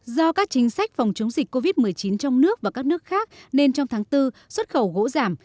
do các chính sách phòng chống dịch covid một mươi chín trong nước và các nước khác nên trong tháng bốn xuất khẩu gỗ giảm